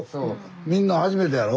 みんな初めてやろ？